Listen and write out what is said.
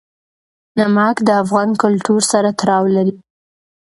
نمک د افغان کلتور سره تړاو لري.